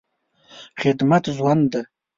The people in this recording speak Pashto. خدمت ژوند دی.